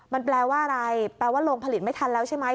มันแปลว่าอะไรแปลว่าลงผลิตไม่ทันแล้วใช่ไหม